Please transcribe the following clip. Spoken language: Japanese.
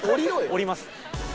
下ります。